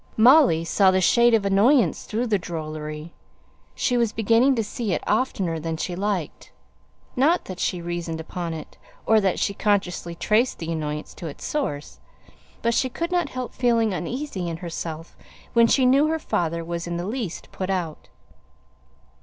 Molly saw the shade of annoyance through the drollery; she was beginning to see it oftener than she liked, not that she reasoned upon it, or that she consciously traced the annoyance to its source; but she could not help feeling uneasy in herself when she knew her father was in the least put out.